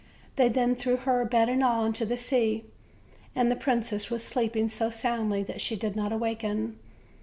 They then threw her, bed and all, into the sea, and the princess was sleeping so soundly that she did not awaken.